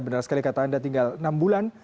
benar sekali kata anda tinggal enam bulan